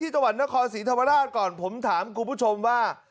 จังหวัดนครศรีธรรมราชก่อนผมถามคุณผู้ชมว่า